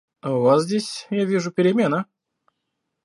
А у вас здесь, я вижу, перемена.